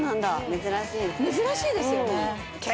珍しいですよね。